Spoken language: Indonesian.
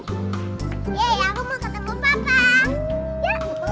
yeay aku mau ketemu papa